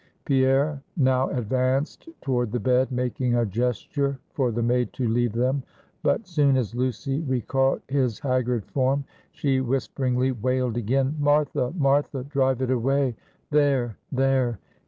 Pierre now advanced toward the bed, making a gesture for the maid to leave them; but soon as Lucy re caught his haggard form, she whisperingly wailed again, "Martha! Martha! drive it away! there there!